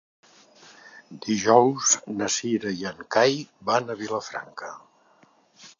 Dijous na Cira i en Cai van a Vilafranca.